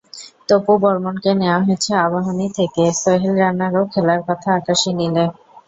তপু বর্মনকে নেওয়া হয়েছে আবাহনী থেকে, সোহেল রানারও খেলার কথা আকাশি নীলে।